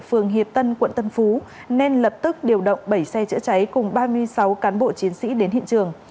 phường hiệp tân quận tân phú nên lập tức điều động bảy xe chữa cháy cùng ba mươi sáu cán bộ chiến sĩ đến hiện trường